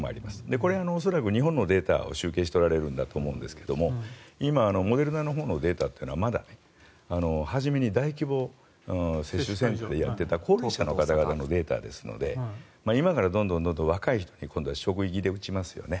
これは恐らく、日本のデータを集計しているんだと思いますが今、モデルナのほうのデータはまだ初めに大規模接種センターでやっていた厚労省の方々のデータなので今からは、どんどん若い人に職域で打ちますよね。